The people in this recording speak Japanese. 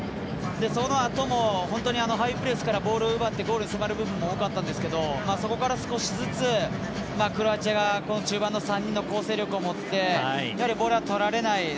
そのあとも本当にハイプレスからボールを奪ってゴールに迫る部分も多かったんですけどそこから少しずつクロアチアが中盤の３人の構成力をもってやはりボールはとられない。